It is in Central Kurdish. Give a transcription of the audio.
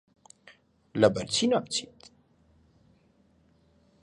لەبەرچی ناچیت؟